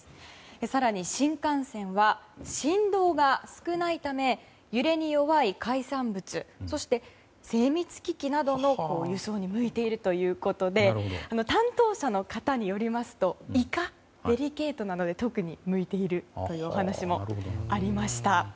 更に、新幹線は振動が少ないため揺れに弱い海産物そして精密機器などの輸送に向いているということで担当者の方によりますとイカ、デリケートなので特に向いているというお話もありました。